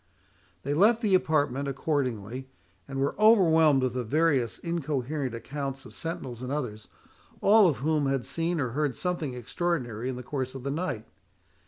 They left the apartment accordingly, and were overwhelmed with the various incoherent accounts of sentinels and others, all of whom had seen or heard something extraordinary in the course of the night.